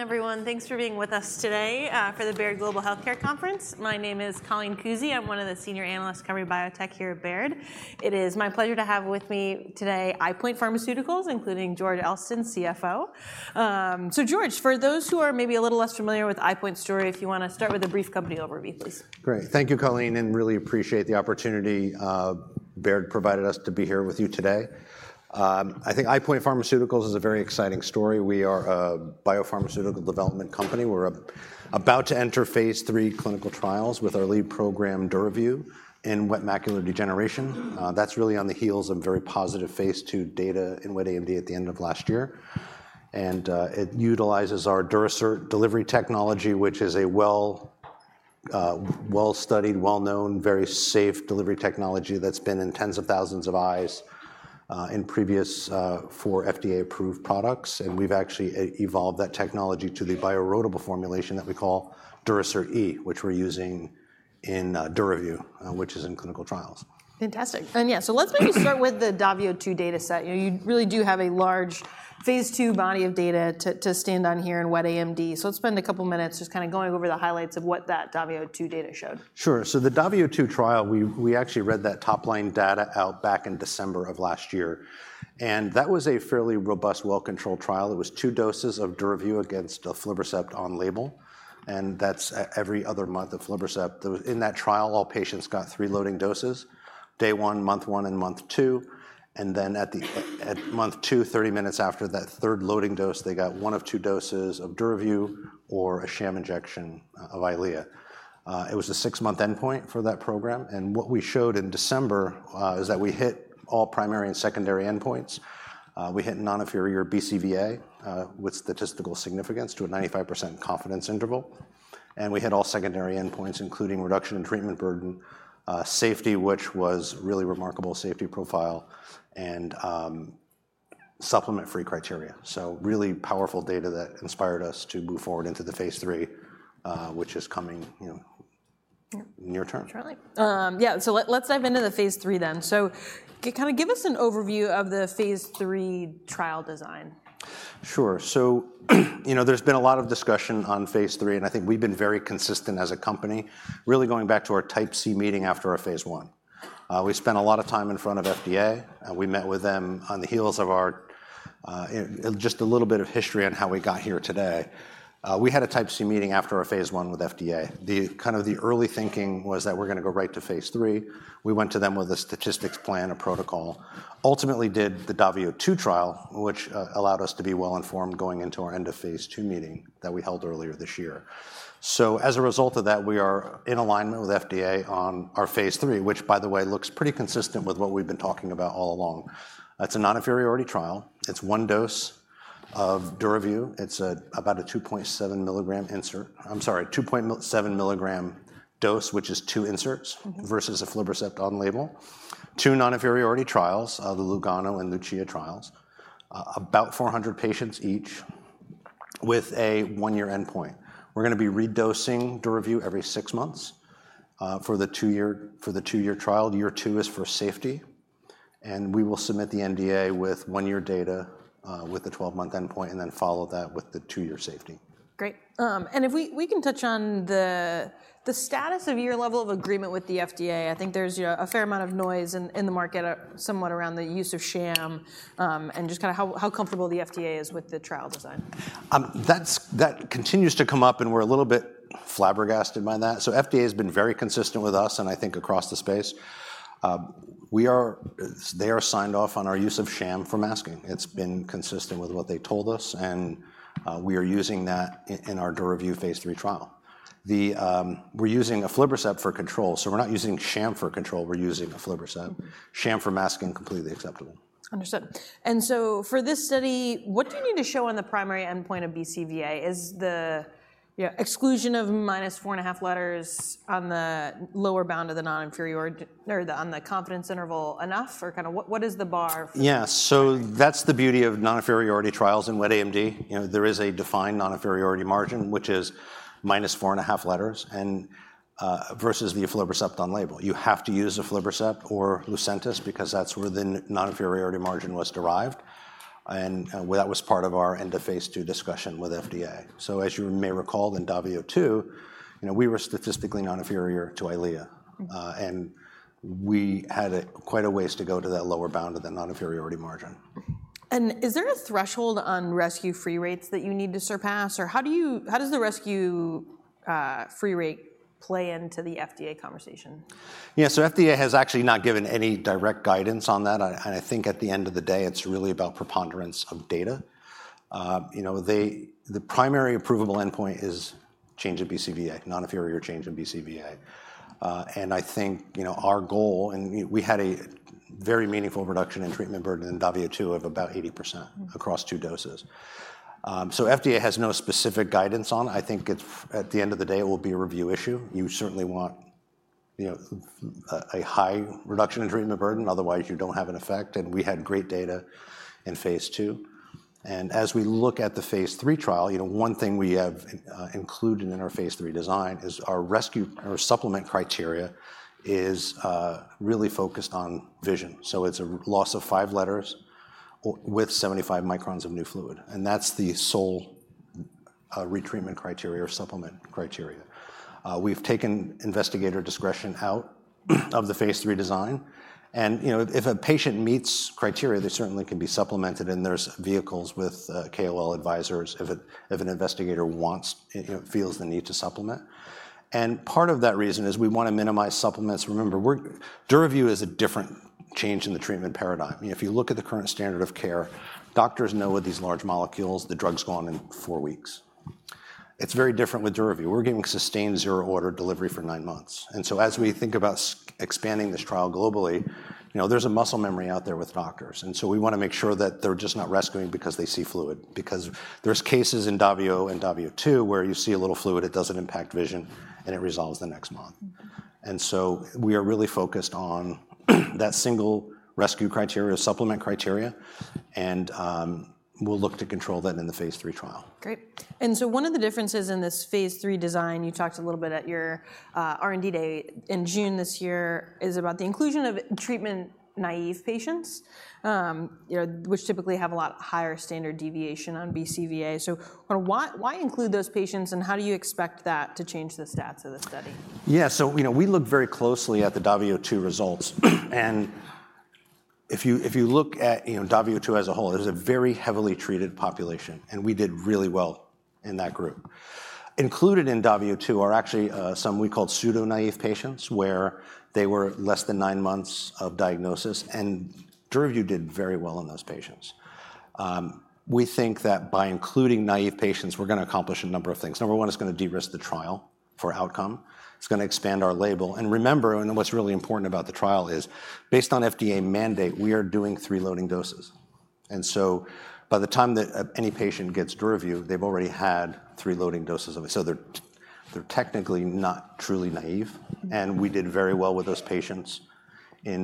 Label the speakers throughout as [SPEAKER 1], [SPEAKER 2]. [SPEAKER 1] Good evening, everyone. Thanks for being with us today for the Baird Global Healthcare Conference. My name is Colleen Kusy. I'm one of the senior analysts covering biotech here at Baird. It is my pleasure to have with me today EyePoint Pharmaceuticals, including George Elston, CFO. So George, for those who are maybe a little less familiar with EyePoint story, if you wanna start with a brief company overview, please.
[SPEAKER 2] Great. Thank you, Colleen, and really appreciate the opportunity, Baird provided us to be here with you today. I think EyePoint Pharmaceuticals is a very exciting story. We are a biopharmaceutical development company. We're about to enter phase III clinical trials with our lead program, DURAVYU, in wet macular degeneration. That's really on the heels of very positive phase II data in wet AMD at the end of last year, and it utilizes our Durasert delivery technology, which is a well-studied, well-known, very safe delivery technology that's been in tens of thousands of eyes, in previous four FDA-approved products, and we've actually evolved that technology to the bioerodible formulation that we call Durasert E, which we're using in DURAVYU, which is in clinical trials.
[SPEAKER 1] Fantastic! And yeah, so let's maybe start with the DAVIO 2 dataset. You know, you really do have a large phase II body of data to stand on here in wet AMD. So let's spend a couple minutes just kinda going over the highlights of what that DAVIO 2 data showed.
[SPEAKER 2] Sure. So the DAVIO 2 trial, we actually read that top-line data out back in December of last year, and that was a fairly robust, well-controlled trial. It was two doses of DURAVYU against aflibercept on label, and that's every other month, the aflibercept. In that trial, all patients got three loading doses, day one, month one, and month two, and then at the, at month two, thirty minutes after that third loading dose, they got one of two doses of DURAVYU or a sham injection of EYLEA. It was a six-month endpoint for that program, and what we showed in December is that we hit all primary and secondary endpoints. We hit non-inferior BCVA with statistical significance to a 95% confidence interval, and we hit all secondary endpoints, including reduction in treatment burden, safety, which was really remarkable safety profile, and injection-free criteria. So really powerful data that inspired us to move forward into the phase III, which is coming.
[SPEAKER 1] Yeah...
[SPEAKER 2] near term.
[SPEAKER 1] Surely. Yeah, so let's dive into the phase III then. So kinda give us an overview of the phase II trial design.
[SPEAKER 2] Sure. So, you know, there's been a lot of discussion on phase III, and I think we've been very consistent as a company, really going back to our Type C meeting after our phase I. We spent a lot of time in front of FDA, and we met with them on the heels of our. Just a little bit of history on how we got here today. We had a Type C meeting after our phase I with FDA. The kind of early thinking was that we're gonna go right to phase III. We went to them with a statistics plan, a protocol, ultimately did the DAVIO 2 trial, which allowed us to be well-informed going into our end of phase II meeting that we held earlier this year. So as a result of that, we are in alignment with FDA on our phase III, which, by the way, looks pretty consistent with what we've been talking about all along. It's a non-inferiority trial. It's one dose of DURAVYU. It's about a two point seven milligram insert. I'm sorry, two point seven milligram dose, which is two inserts.... versus aflibercept on label. Two non-inferiority trials, the LUGANO and LUCIA trials, about 400 patients each, with a one-year endpoint. We're gonna be redosing DURAVYU every six months for the two-year trial. Year two is for safety, and we will submit the NDA with one-year data with the twelve-month endpoint, and then follow that with the two-year safety.
[SPEAKER 1] Great. And if we can touch on the status of your level of agreement with the FDA. I think there's a fair amount of noise in the market, somewhat around the use of sham, and just kinda how comfortable the FDA is with the trial design.
[SPEAKER 2] That continues to come up, and we're a little bit flabbergasted by that. FDA has been very consistent with us, and I think across the space. They are signed off on our use of sham for masking. It's been consistent with what they told us, and we are using that in our DURAVYU phase III trial. We're using aflibercept for control, so we're not using sham for control, we're using aflibercept. Sham for masking, completely acceptable.
[SPEAKER 1] Understood. And so for this study, what do you need to show on the primary endpoint of BCVA? Is the, you know, exclusion of minus four and a half letters on the lower bound of the non-inferiority, or the, on the confidence interval enough? Or kinda what, what is the bar for-
[SPEAKER 2] Yeah, so that's the beauty of non-inferiority trials in wet AMD. You know, there is a defined non-inferiority margin, which is minus four and a half letters, and versus the aflibercept on label. You have to use aflibercept or Lucentis, because that's where the non-inferiority margin was derived, and well, that was part of our end-of-phase II discussion with FDA, so as you may recall, in DAVIO 2, you know, we were statistically non-inferior to EYLEA-... and we had quite a ways to go to that lower bound of the non-inferiority margin.
[SPEAKER 1] Is there a threshold on rescue-free rates that you need to surpass? Or how does the rescue-free rate play into the FDA conversation?
[SPEAKER 2] Yeah, so FDA has actually not given any direct guidance on that, and I think at the end of the day, it's really about preponderance of data. You know, the primary approvable endpoint is change in BCVA, non-inferior change in BCVA. And I think, you know, our goal, and we had a very meaningful reduction in treatment burden in DAVIO 2 of about 80%.... across two doses. So FDA has no specific guidance on it. I think it's, at the end of the day, it will be a review issue. You certainly want, you know, a high reduction in treatment burden, otherwise, you don't have an effect, and we had great data in phase II. And as we look at the phase III trial, you know, one thing we have included in our phase III design is our rescue or supplement criteria is really focused on vision. So it's a loss of five letters with seventy-five microns of new fluid, and that's the sole retreatment criteria or supplement criteria. We've taken investigator discretion out of the phaseIII design, and, you know, if a patient meets criteria, they certainly can be supplemented, and there's vehicles with KOL advisors if an investigator wants, you know, feels the need to supplement. And part of that reason is we want to minimize supplements. Remember, we're DURAVYU is a different change in the treatment paradigm. You know, if you look at the current standard of care, doctors know with these large molecules, the drug's gone in four weeks. It's very different with DURAVYU. We're getting sustained zero order delivery for nine months, and so as we think about expanding this trial globally, you know, there's a muscle memory out there with doctors, and so we want to make sure that they're just not rescuing because they see fluid. Because there's cases in DAVIO and DAVIO 2 where you see a little fluid, it doesn't impact vision, and it resolves the next month, and so we are really focused on that single rescue criteria, supplement criteria, and we'll look to control that in the phase III trial.
[SPEAKER 1] Great. And so one of the differences in this phase III design, you talked a little bit at your R&D day in June this year, is about the inclusion of treatment-naive patients, you know, which typically have a lot higher standard deviation on BCVA. So, why include those patients, and how do you expect that to change the stats of the study?
[SPEAKER 2] Yeah, so, you know, we look very closely at the DAVIO 2 results. And if you, if you look at, you know, DAVIO 2 as a whole, it was a very heavily treated population, and we did really well in that group. Included in DAVIO 2 are actually some we called pseudo-naive patients, where they were less than nine months of diagnosis, and DURAVYU did very well on those patients. We think that by including naive patients, we're gonna accomplish a number of things. Number one, it's gonna de-risk the trial for outcome. It's gonna expand our label. And remember, and what's really important about the trial is, based on FDA mandate, we are doing three loading doses, and so by the time that any patient gets DURAVYU, they've already had three loading doses of it, so they're they're technically not truly naive, and we did very well with those patients in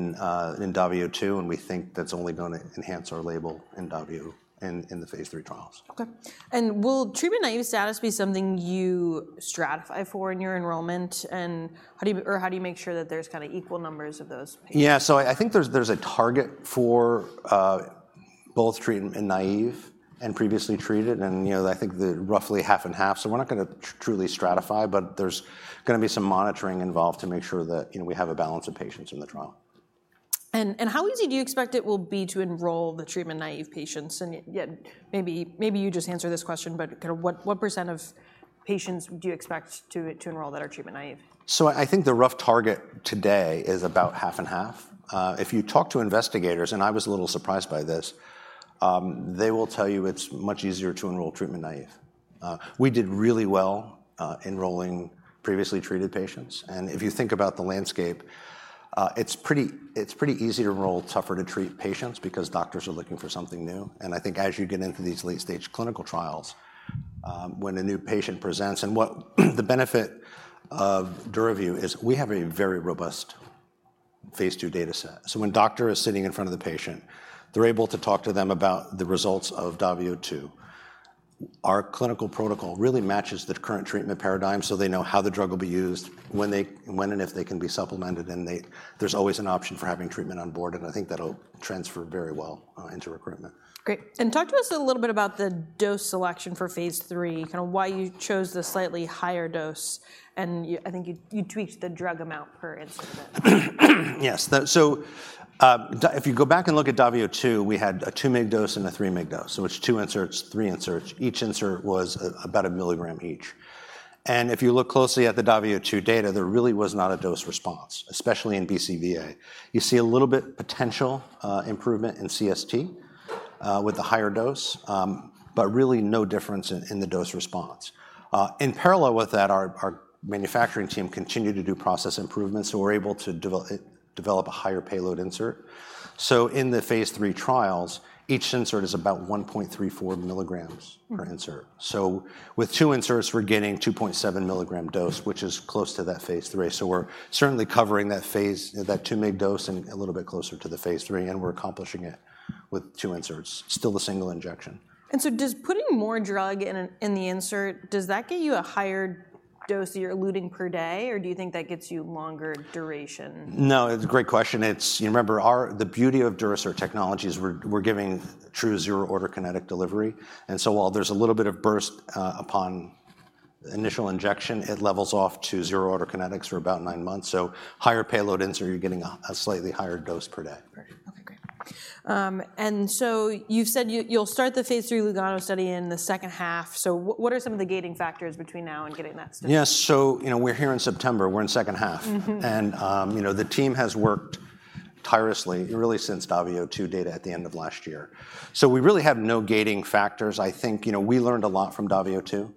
[SPEAKER 2] in DAVIO 2, and we think that's only gonna enhance our label in DAVIO in the phase III trials.
[SPEAKER 1] Okay. And will treatment-naive status be something you stratify for in your enrollment? And how do you make sure that there's kind of equal numbers of those patients?
[SPEAKER 2] Yeah, so I think there's a target for both treatment-naive and previously treated, and, you know, I think they're roughly half and half, so we're not gonna truly stratify, but there's gonna be some monitoring involved to make sure that, you know, we have a balance of patients in the trial.
[SPEAKER 1] How easy do you expect it will be to enroll the treatment-naive patients? And yet maybe you just answered this question, but kind of what percent of patients do you expect to enroll that are treatment naive?
[SPEAKER 2] So I think the rough target today is about half and half. If you talk to investigators, and I was a little surprised by this, they will tell you it's much easier to enroll treatment naive. We did really well enrolling previously treated patients, and if you think about the landscape, it's pretty easy to enroll tougher to treat patients because doctors are looking for something new, and I think as you get into these late-stage clinical trials, when a new patient presents, and what the benefit of DURAVYU is, we have a very robust phase II data set. So when doctor is sitting in front of the patient, they're able to talk to them about the results of DAVIO 2. Our clinical protocol really matches the current treatment paradigm, so they know how the drug will be used, when and if they can be supplemented, and there's always an option for having treatment on board, and I think that'll transfer very well into recruitment.
[SPEAKER 1] Great. And talk to us a little bit about the dose selection for phase III, kind of why you chose the slightly higher dose, and I think you tweaked the drug amount per insert a bit.
[SPEAKER 2] Yes. So if you go back and look at DAVIO 2, we had a two mg dose and a three mg dose, so it's two inserts, three inserts. Each insert was about a milligram each. And if you look closely at the DAVIO 2 data, there really was not a dose response, especially in BCVA. You see a little bit potential improvement in CST with the higher dose, but really no difference in the dose response. In parallel with that, our manufacturing team continued to do process improvements, so we're able to develop a higher payload insert. So in the phase III trials, each insert is about one point three four milligrams- per insert. So with two inserts, we're getting 2.7 milligram dose, which is close to that phase III. So we're certainly covering that phase, that 2 mg dose and a little bit closer to the phase III, and we're accomplishing it with two inserts, still a single injection.
[SPEAKER 1] And so does putting more drug in the insert get you a higher dose you're eluting per day, or do you think that gets you longer duration?
[SPEAKER 2] No, it's a great question. It's... You remember, our, the beauty of Durasert technologies, we're giving true zero-order kinetic delivery, and so while there's a little bit of burst upon initial injection, it levels off to zero-order kinetics for about nine months, so higher payload insert, you're getting a slightly higher dose per day.
[SPEAKER 1] Okay, great. And so you've said you'll start the phase III LUGANO study in the second half. So what are some of the gating factors between now and getting that study?
[SPEAKER 2] Yes, so, you know, we're here in September. We're in second half. And, you know, the team has worked tirelessly, really since DAVIO 2 data at the end of last year. So we really have no gating factors. I think, you know, we learned a lot from DAVIO 2,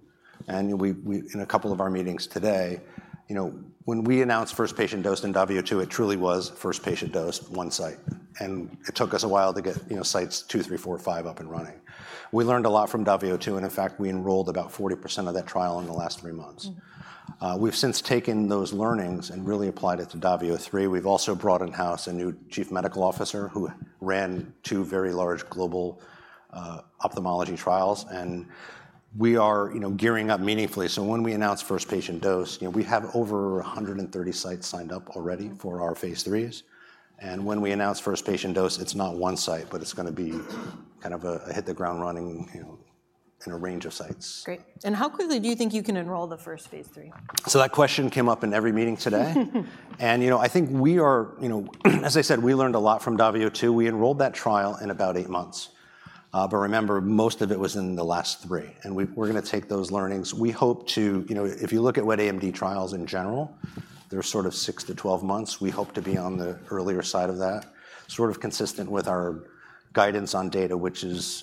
[SPEAKER 2] and we in a couple of our meetings today, you know, when we announced first patient dose in DAVIO 2, it truly was first patient dose, one site, and it took us a while to get, you know, sites two, three, four, five up and running. We learned a lot from DAVIO 2, and in fact, we enrolled about 40% of that trial in the last three months. We've since taken those learnings and really applied it to DAVIO 3. We've also brought in-house a new chief medical officer, who ran two very large global ophthalmology trials, and we are, you know, gearing up meaningfully. So when we announce first patient dose, you know, we have over 130 sites signed up already for our phase IIIs, and when we announce first patient dose, it's not one site, but it's gonna be kind of hit the ground running, you know, in a range of sites.
[SPEAKER 1] Great. And how quickly do you think you can enroll the first phase III?
[SPEAKER 2] So that question came up in every meeting today. And, you know, I think we are, you know, as I said, we learned a lot from DAVIO 2. We enrolled that trial in about eight months. But remember, most of it was in the last three, and we're gonna take those learnings. We hope to... You know, if you look at wet AMD trials in general, they're sort of six to twelve months. We hope to be on the earlier side of that, sort of consistent with our guidance on data, which is,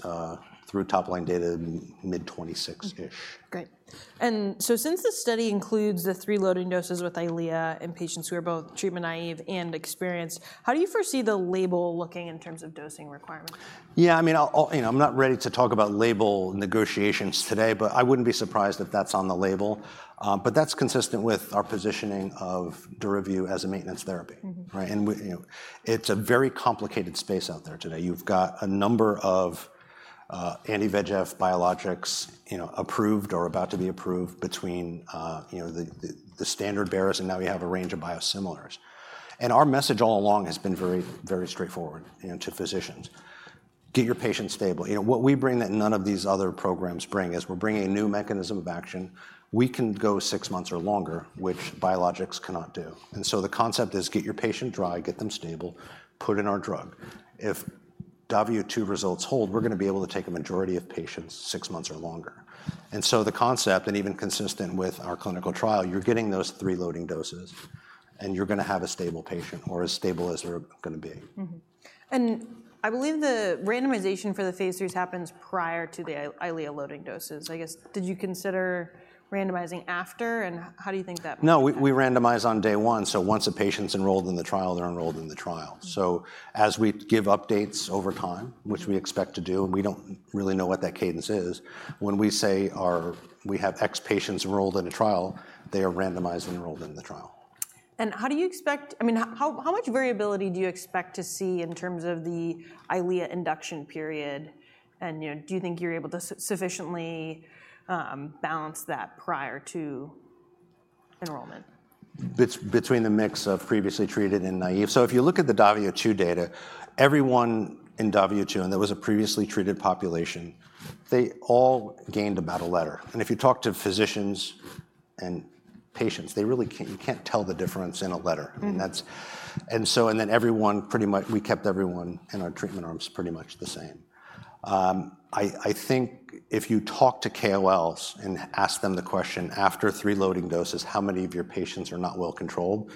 [SPEAKER 2] through top-line data in mid-2026-ish.
[SPEAKER 1] Mm-hmm. Great, and so since this study includes the three loading doses with EYLEA in patients who are both treatment naive and experienced, how do you foresee the label looking in terms of dosing requirements?
[SPEAKER 2] Yeah, I mean, you know, I'm not ready to talk about label negotiations today, but I wouldn't be surprised if that's on the label, but that's consistent with our positioning of DURAVYU as a maintenance therapy. Right? And you know, it's a very complicated space out there today. You've got a number of anti-VEGF biologics, you know, approved or about to be approved between you know, the standard bearers, and now we have a range of biosimilars. And our message all along has been very, very straightforward, you know, to physicians: "Get your patients stable." You know, what we bring that none of these other programs bring is we're bringing a new mechanism of action. We can go six months or longer, which biologics cannot do, and so the concept is: get your patient dry, get them stable, put in our drug. If DAVIO 2 results hold, we're gonna be able to take a majority of patients six months or longer. And so the concept, and even consistent with our clinical trial, you're getting those three loading doses, and you're gonna have a stable patient or as stable as they're gonna be.
[SPEAKER 1] Mm-hmm. I believe the randomization for the phase III happens prior to the EYLEA loading doses. I guess, did you consider randomizing after, and how do you think that might-
[SPEAKER 2] No, we randomize on day one, so once a patient's enrolled in the trial, they're enrolled in the trial. So as we give updates over time, which we expect to do, and we don't really know what that cadence is. When we say we have X patients enrolled in a trial, they are randomized and enrolled in the trial.
[SPEAKER 1] I mean, how much variability do you expect to see in terms of the EYLEA induction period? And, you know, do you think you're able to sufficiently balance that prior to enrollment?
[SPEAKER 2] Between the mix of previously treated and naive? So if you look at the DAVIO 2 data, everyone in DAVIO 2, and that was a previously treated population, they all gained about a letter, and if you talk to physicians and patients, they really, you can't tell the difference in a letter. I mean, that's and then everyone, pretty much, we kept everyone in our treatment arms pretty much the same. I think if you talk to KOLs and ask them the question: "After three loading doses, how many of your patients are not well controlled?"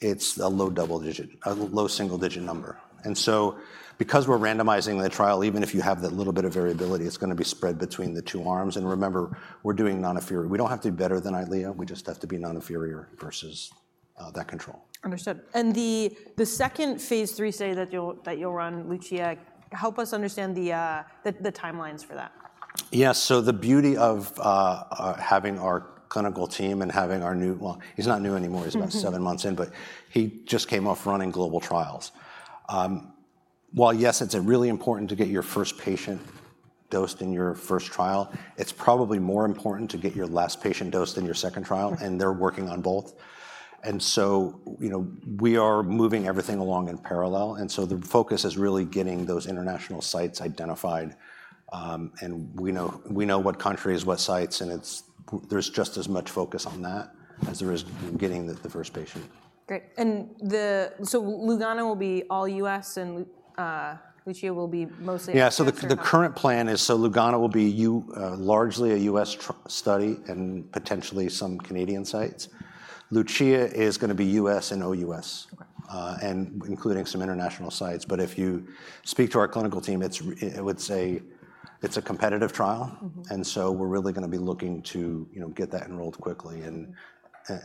[SPEAKER 2] It's a low double digit, a low single-digit number. And so because we're randomizing the trial, even if you have that little bit of variability, it's gonna be spread between the two arms. And remember, we're doing non-inferior. We don't have to do better than EYLEA; we just have to be non-inferior versus that control.
[SPEAKER 1] Understood. And the second phase III study that you'll run, LUCIA, help us understand the timelines for that.
[SPEAKER 2] Yeah, so the beauty of having our clinical team and having our new—well, he's not new anymore—he's about seven months in, but he just came off running global trials. While, yes, it's really important to get your first patient dosed in your first trial, it's probably more important to get your last patient dosed in your second trial, and they're working on both. And so, you know, we are moving everything along in parallel, and so the focus is really getting those international sites identified. And we know what countries, what sites, and there's just as much focus on that as there is in getting the first patient.
[SPEAKER 1] Great. And so LUGANO will be all U.S., and LUCIA will be mostly international?
[SPEAKER 2] Yeah. The current plan is, so LUGANO will be largely a US study and potentially some Canadian sites. LUCIA is gonna be US and OUS-
[SPEAKER 1] Okay...
[SPEAKER 2] and including some international sites. But if you speak to our clinical team, I would say it's a competitive trial. And so we're really gonna be looking to, you know, get that enrolled quickly and-...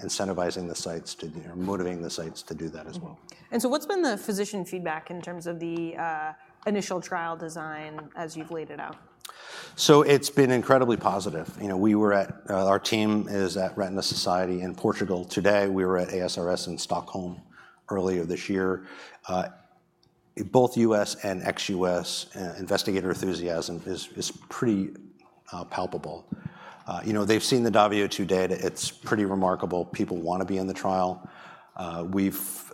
[SPEAKER 2] incentivizing the sites to, or motivating the sites to do that as well.
[SPEAKER 1] Mm-hmm. And so what's been the physician feedback in terms of the initial trial design as you've laid it out?
[SPEAKER 2] It's been incredibly positive. You know, we were at our team is at Retina Society in Portugal today. We were at ASRS in Stockholm earlier this year. Both U.S. and ex-U.S. investigator enthusiasm is pretty palpable. You know, they've seen the DAVIO2 data. It's pretty remarkable. People want to be in the trial. We've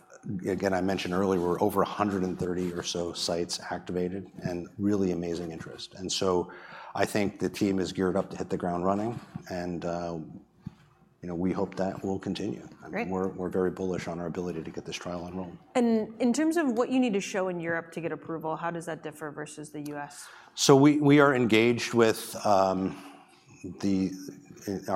[SPEAKER 2] again, I mentioned earlier, we're over 130 or so sites activated and really amazing interest. And so I think the team is geared up to hit the ground running, and you know, we hope that will continue.
[SPEAKER 1] Great.
[SPEAKER 2] We're very bullish on our ability to get this trial enrolled.
[SPEAKER 1] In terms of what you need to show in Europe to get approval, how does that differ versus the U.S.?
[SPEAKER 2] So we are engaged with our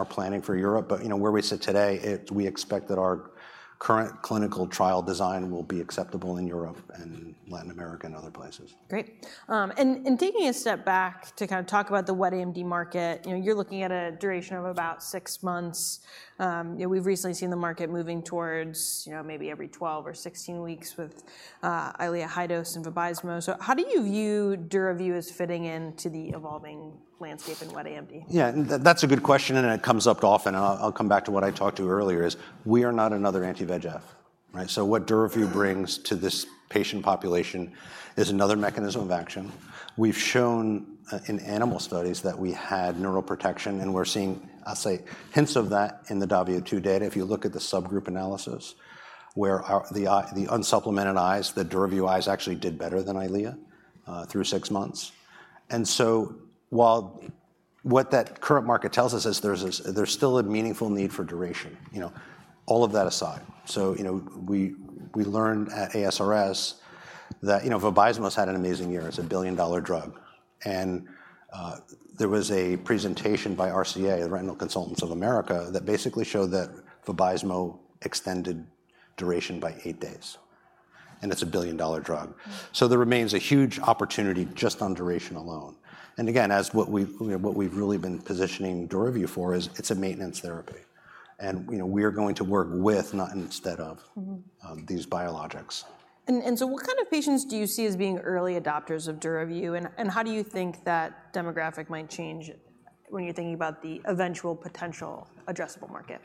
[SPEAKER 2] planning for Europe, but you know, where we sit today, we expect that our current clinical trial design will be acceptable in Europe and Latin America and other places.
[SPEAKER 1] Great. And taking a step back to kind of talk about the wet AMD market, you know, you're looking at a duration of about six months. You know, we've recently seen the market moving towards, you know, maybe every 12 or 16 weeks with EYLEA high dose and Vabysmo. So how do you view DURAVYU as fitting into the evolving landscape in wet AMD?
[SPEAKER 2] Yeah, that's a good question, and it comes up often. And I'll come back to what I talked to earlier is, we are not another anti-VEGF, right? So what DURAVYU brings to this patient population is another mechanism of action. We've shown in animal studies that we had neural protection, and we're seeing, I'll say, hints of that in the DAVIO 2 data. If you look at the subgroup analysis, where our, the unsupplemented eyes, the DURAVYU eyes actually did better than EYLEA through six months. And so while what the current market tells us is there's still a meaningful need for duration, you know, all of that aside. So, you know, we learned at ASRS that, you know, Vabysmo's had an amazing year. It's a billion-dollar drug, and there was a presentation by RCA, the Retina Consultants of America, that basically showed that Vabysmo extended duration by eight days, and it's a billion-dollar drug. So there remains a huge opportunity just on duration alone. And again, as what we've really been positioning DURAVYU for is it's a maintenance therapy, and, you know, we are going to work with, not instead of-... these biologics.
[SPEAKER 1] So what kind of patients do you see as being early adopters of DURAVYU, and how do you think that demographic might change when you're thinking about the eventual potential addressable market?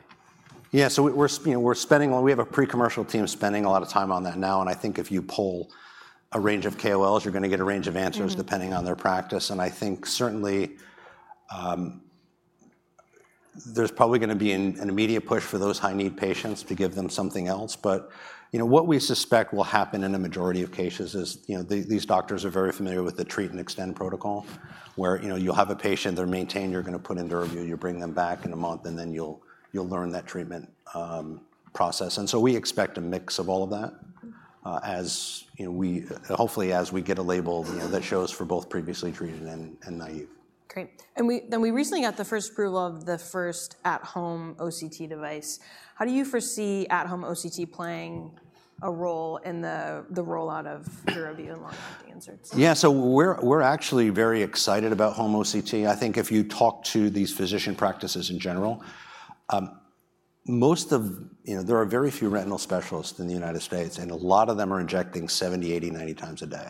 [SPEAKER 2] Yeah, so you know, we're spending. Well, we have a pre-commercial team spending a lot of time on that now, and I think if you poll a range of KOLs, you're going to get a range of answers-... depending on their practice, and I think certainly, there's probably going to be an immediate push for those high-need patients to give them something else. But, you know, what we suspect will happen in a majority of cases is, you know, these doctors are very familiar with the treat and extend protocol, where, you know, you'll have a patient, they're maintained, you're going to put in DURAVYU, you bring them back in a month, and then you'll learn that treatment process, and so we expect a mix of all of that- As you know, we hopefully, as we get a label, you know, that shows for both previously treated and naive.
[SPEAKER 1] Great. We recently got the first approval of the first at-home OCT device. How do you foresee at-home OCT playing a role in the rollout of DURAVYU and long-acting inserts?
[SPEAKER 2] Yeah, so we're actually very excited about home OCT. I think if you talk to these physician practices in general, most of... You know, there are very few retinal specialists in the United States, and a lot of them are injecting 70, 80, 90 times a day,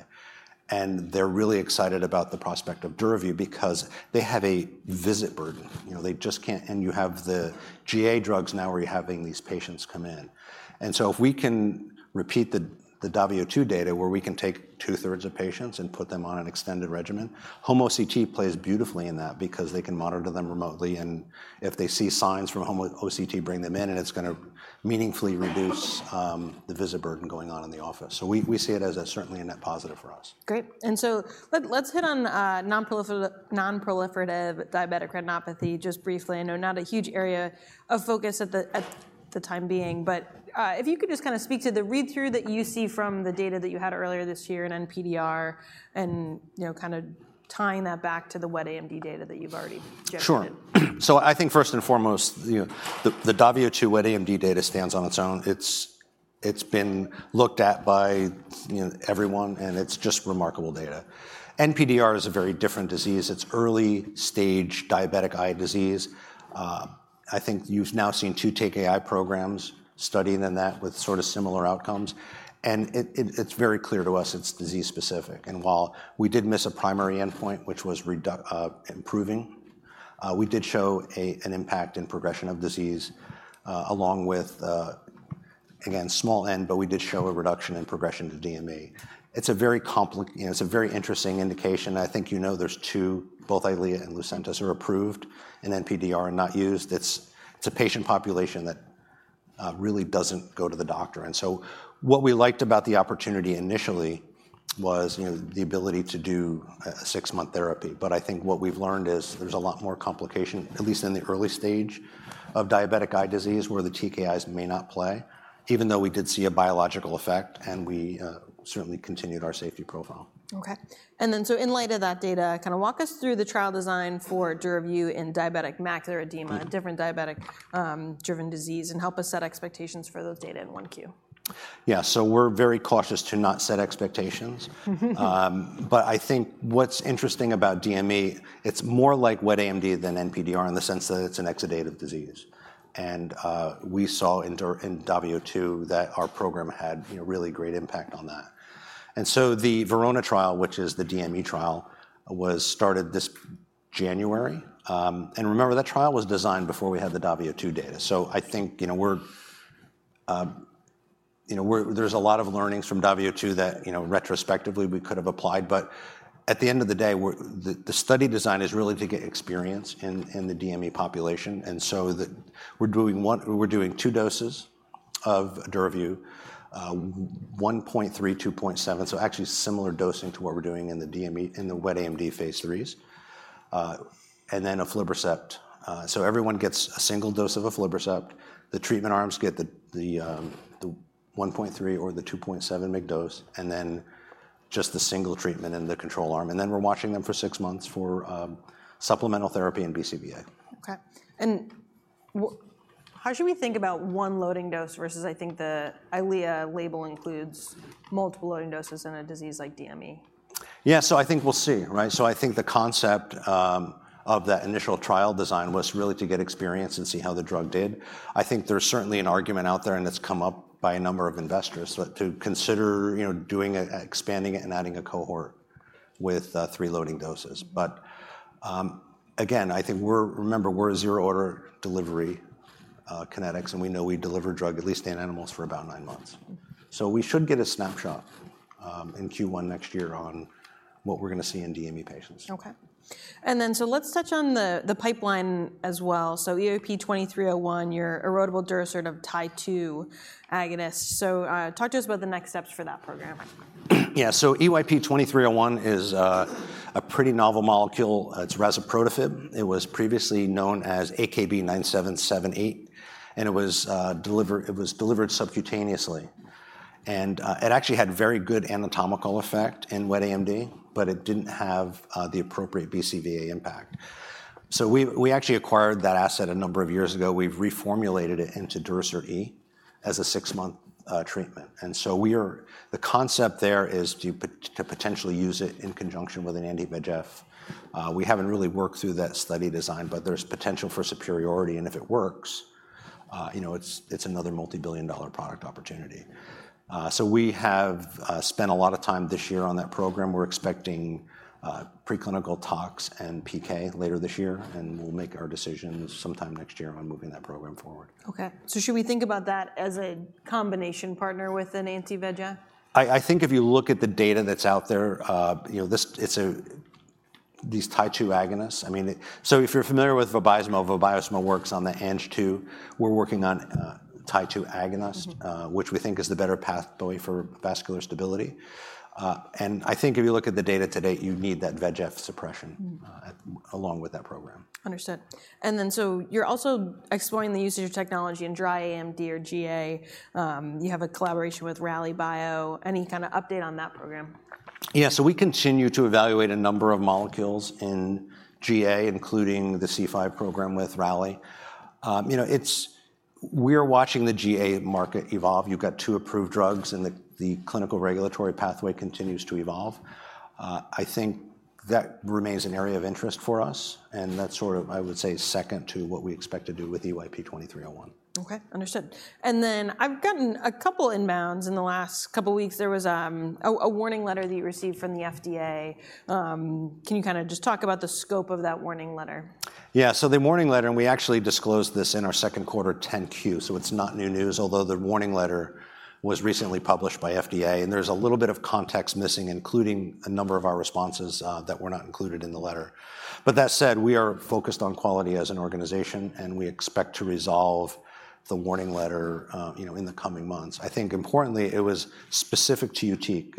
[SPEAKER 2] and they're really excited about the prospect of DURAVYU because they have a visit burden. You know, And you have the GA drugs now, where you're having these patients come in, and so if we can repeat the DAVIO 2 data, where we can take two-thirds of patients and put them on an extended regimen, home OCT plays beautifully in that because they can monitor them remotely, and if they see signs from home OCT, bring them in, and it's going to meaningfully reduce the visit burden going on in the office. So we see it as certainly a net positive for us.
[SPEAKER 1] Great. And so let's hit on nonproliferative diabetic retinopathy just briefly. I know not a huge area of focus at the time being, but if you could just kind of speak to the read-through that you see from the data that you had earlier this year in NPDR and, you know, kind of tying that back to the wet AMD data that you've already generated.
[SPEAKER 2] Sure. So I think first and foremost, you know, the DAVIO 2 wet AMD data stands on its own. It's been looked at by, you know, everyone, and it's just remarkable data. NPDR is a very different disease. It's early-stage diabetic eye disease. I think you've now seen two TKI programs studying that with sort of similar outcomes, and it's very clear to us it's disease specific, and while we did miss a primary endpoint, which was reducing improving, we did show an impact in progression of disease, along with again small n, but we did show a reduction in progression to DME. It's a very complicated, you know, it's a very interesting indication. I think you know there's two, both EYLEA and Lucentis are approved, and NPDR are not used. It's a patient population that really doesn't go to the doctor, and so what we liked about the opportunity initially was, you know, the ability to do a six-month therapy. But I think what we've learned is there's a lot more complication, at least in the early stage of diabetic eye disease, where the TKIs may not play, even though we did see a biological effect, and we certainly continued our safety profile.
[SPEAKER 1] Okay. And then so in light of that data, kind of walk us through the trial design for DURAVYU in diabetic macular edema?... different diabetic driven disease, and help us set expectations for those data in one Q.
[SPEAKER 2] Yeah, so we're very cautious to not set expectations. But I think what's interesting about DME, it's more like wet AMD than NPDR in the sense that it's an exudative disease, and we saw in DAVIO2 that our program had, you know, really great impact on that. And so the VERONA trial, which is the DME trial, was started this January, and remember, that trial was designed before we had the DAVIO2 data. So I think, you know, we're, you know, there's a lot of learnings from DAVIO2 that, you know, retrospectively we could have applied, but at the end of the day, we're... The study design is really to get experience in the DME population, and so we're doing two doses of DURAVYU, 1.3, 2.7, so actually similar dosing to what we're doing in the wet AMD phase IIIs, and then aflibercept. So everyone gets a single dose of aflibercept. The treatment arms get the 1.3 or the 2.7 mg dose and then just the single treatment in the control arm, and then we're watching them for six months for supplemental therapy and BCVA.
[SPEAKER 1] Okay, and how should we think about one loading dose versus I think the EYLEA label includes multiple loading doses in a disease like DME?
[SPEAKER 2] Yeah, so I think we'll see, right? So I think the concept of that initial trial design was really to get experience and see how the drug did. I think there's certainly an argument out there, and it's come up by a number of investors to consider, you know, doing, expanding it and adding a cohort with three loading doses. But, again, I think we're... remember, we're a zero-order delivery kinetics, and we know we deliver drug, at least in animals, for about nine months. So we should get a snapshot in Q1 next year on what we're gonna see in DME patients.
[SPEAKER 1] Okay. And then, so let's touch on the pipeline as well. So EYP-2301, your erodible Durasert Tie-2 agonist. So, talk to us about the next steps for that program.
[SPEAKER 2] Yeah, so EYP-2301 is a pretty novel molecule. It's razuprotafib. It was previously known as AKB-9778, and it was deliver- it was delivered subcutaneously. And it actually had very good anatomical effect in wet AMD, but it didn't have the appropriate BCVA impact. So we actually acquired that asset a number of years ago. We've reformulated it into Durasert E as a six-month treatment. And so we are-- the concept there is to pot- to potentially use it in conjunction with an anti-VEGF. We haven't really worked through that study design, but there's potential for superiority, and if it works, you know, it's another multi-billion dollar product opportunity. So we have spent a lot of time this year on that program. We're expecting preclinical talks and PK later this year, and we'll make our decisions sometime next year on moving that program forward.
[SPEAKER 1] Okay, so should we think about that as a combination partner with an anti-VEGF?
[SPEAKER 2] I think if you look at the data that's out there, you know, this, it's a... these Tie-2 agonists, I mean, so if you're familiar with Vabysmo, Vabysmo works on the Ang-2. We're working on, Tie-2 agonist- which we think is the better pathway for vascular stability. And I think if you look at the data to date, you need that VEGF suppression- along with that program.
[SPEAKER 1] Understood. And then, so you're also exploring the use of your technology in dry AMD or GA. You have a collaboration with Rallybio. Any kind of update on that program?
[SPEAKER 2] Yeah, so we continue to evaluate a number of molecules in GA, including the C5 program with Rally. You know, it's. We're watching the GA market evolve. You've got two approved drugs, and the clinical regulatory pathway continues to evolve. I think that remains an area of interest for us, and that's sort of, I would say, second to what we expect to do with EYP-2301.
[SPEAKER 1] Okay, understood. And then, I've gotten a couple inbounds in the last couple of weeks. There was a warning letter that you received from the FDA. Can you kind of just talk about the scope of that warning letter?
[SPEAKER 2] Yeah, so the warning letter, and we actually disclosed this in our second quarter 10-Q, so it's not new news, although the warning letter was recently published by FDA, and there's a little bit of context missing, including a number of our responses that were not included in the letter. But that said, we are focused on quality as an organization, and we expect to resolve the warning letter, you know, in the coming months. I think importantly, it was specific to YUTIQ.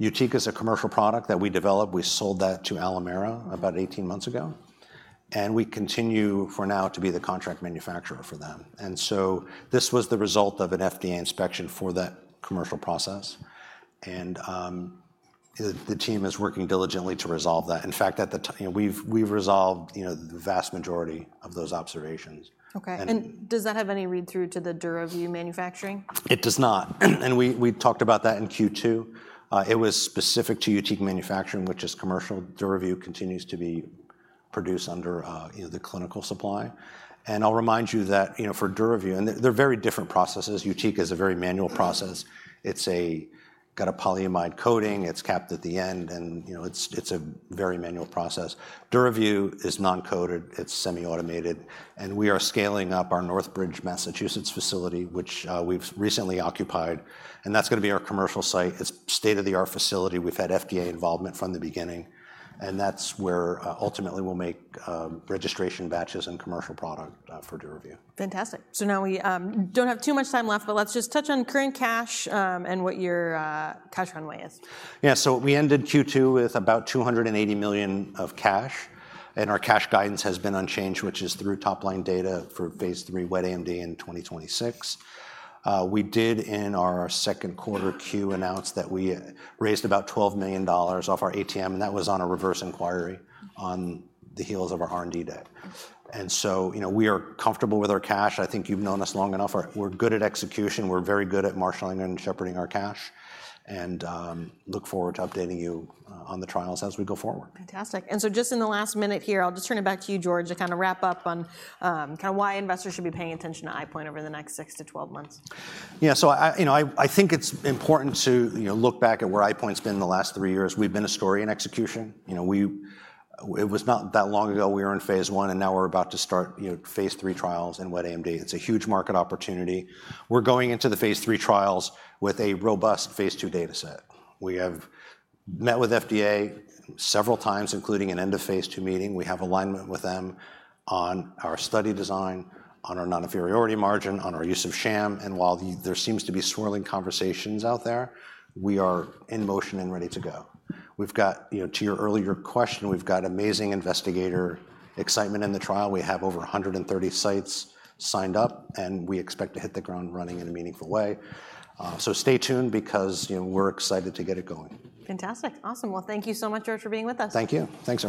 [SPEAKER 2] YUTIQ is a commercial product that we developed. We sold that to Alimera about 18 months ago, and we continue, for now, to be the contract manufacturer for them. And so this was the result of an FDA inspection for that commercial process, and the team is working diligently to resolve that. In fact, at the you know, we've resolved, you know, the vast majority of those observations.
[SPEAKER 1] Okay.
[SPEAKER 2] And-
[SPEAKER 1] Does that have any read-through to the DURAVYU manufacturing?
[SPEAKER 2] It does not, and we talked about that in Q2. It was specific to YUTIQ manufacturing, which is commercial. DURAVYU continues to be produced under, you know, the clinical supply. And I'll remind you that, you know, for DURAVYU, and they're very different processes. YUTIQ is a very manual process. It's a, got a polyimide coating, it's capped at the end, and, you know, it's a very manual process. DURAVYU is non-coated, it's semi-automated, and we are scaling up our Northbridge, Massachusetts facility, which, we've recently occupied, and that's gonna be our commercial site. It's state-of-the-art facility. We've had FDA involvement from the beginning, and that's where, ultimately we'll make, registration batches and commercial product, for DURAVYU.
[SPEAKER 1] Fantastic. So now we don't have too much time left, but let's just touch on current cash, and what your cash runway is.
[SPEAKER 2] Yeah, so we ended Q2 with about $280 million of cash, and our cash guidance has been unchanged, which is through top-line data for phase III wet AMD in 2026. We did, in our second quarter Q, announce that we raised about $12 million off our ATM, and that was on a reverse inquiry on the heels of our R&D day. And so, you know, we are comfortable with our cash. I think you've known us long enough. We're good at execution. We're very good at marshaling and shepherding our cash, and look forward to updating you on the trials as we go forward.
[SPEAKER 1] Fantastic. And so just in the last minute here, I'll just turn it back to you, George, to kind of wrap up on kind of why investors should be paying attention to EyePoint over the next six to 12 months.
[SPEAKER 2] Yeah, so I, you know, I think it's important to, you know, look back at where EyePoint's been the last three years. We've been a story in execution. You know, we, it was not that long ago we were in phase I, and now we're about to start, you know, phase III trials in wet AMD. It's a huge market opportunity. We're going into the phase III trials with a robust phase II data set. We have met with FDA several times, including an end-of-phase II meeting. We have alignment with them on our study design, on our non-inferiority margin, on our use of sham, and while the, there seems to be swirling conversations out there, we are in motion and ready to go. We've got, you know, to your earlier question, we've got amazing investigator excitement in the trial. We have over 130 sites signed up, and we expect to hit the ground running in a meaningful way, so stay tuned, because, you know, we're excited to get it going.
[SPEAKER 1] Fantastic. Awesome. Well, thank you so much, George, for being with us.
[SPEAKER 2] Thank you. Thanks, Colleen.